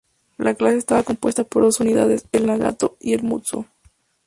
La clase estaba compuesta por dos unidades, el "Nagato" y el "Mutsu".